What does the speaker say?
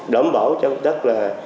đảm bảo cho công tác là